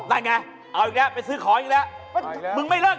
ทุกคนมักซึ้อย่างนี้